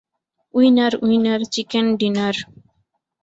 Winner, winner, chicken dinner!